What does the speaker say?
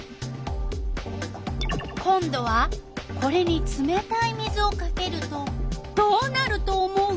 今度はこれにつめたい水をかけるとどうなると思う？